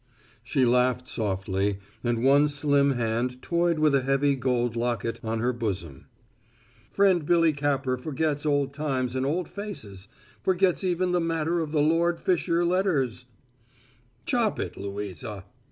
She laughed softly, and one slim hand toyed with a heavy gold locket on her bosom. "Friend Billy Capper forgets old times and old faces forgets even the matter of the Lord Fisher letters " "Chop it, Louisa!"